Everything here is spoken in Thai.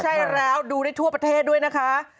ใช่แล้วดูได้ทั่วประเทศด้วยนะคะ